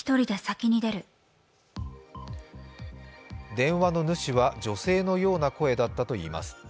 電話の主は女性のような声だったといいます。